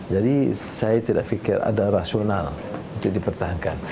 jadi saya tidak pikir ada rasional untuk dipertahankan